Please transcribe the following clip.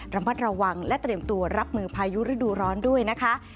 ระมัดระวังและเตรียมตัวรับมือพายุฤดูร้อนด้วยนะคะ